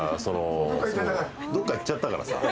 どっか行っちゃったからさ。